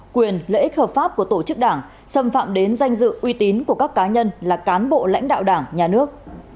quyền lợi ích hợp pháp của tổ chức đảng xâm phạm đến danh dự uy tín của các cá nhân là cán bộ lãnh đạo đảng nhà nước